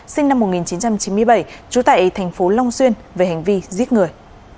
sinh năm một nghìn chín trăm chín mươi bảy trú tại thành phố long xuyên về hành vi giết người